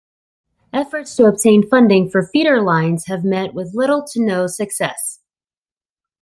Efforts to obtain funding for feeder lines have met with little to no success.